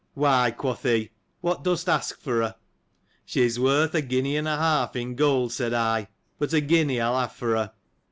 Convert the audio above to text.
— Why, quoth he, what dost ask for her? She is worth a guinea and a half, in gold, said I, but a guinea I'll have for her.